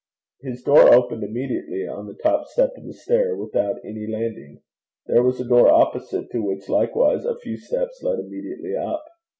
His door opened immediately on the top step of the stair, without any landing. There was a door opposite, to which likewise a few steps led immediately up.